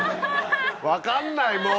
分かんないもう！